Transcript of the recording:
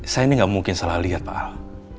saya ini gak mungkin salah lihat pak ahok